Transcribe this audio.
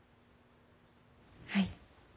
はい。